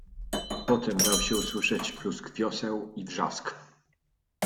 "Potem dał się słyszeć plusk wioseł i wrzask."